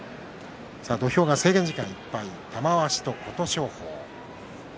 土俵は制限時間いっぱい玉鷲と琴勝峰。